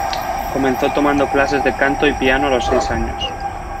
Comenzó tomando clases de canto y piano a los seis años.